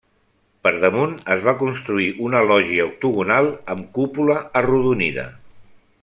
Per damunt es va construir una lògia octogonal amb cúpula arrodonida.